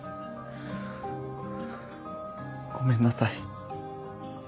ごめんなさい。